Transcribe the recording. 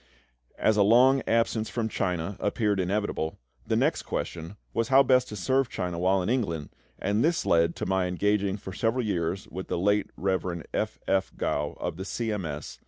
As a long absence from China appeared inevitable, the next question was how best to serve China while in England, and this led to my engaging for several years, with the late Rev. F. F. Gough of the C. M. S.